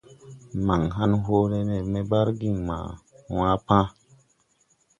Man hãn hoole le me bargiŋ ma wan pãã.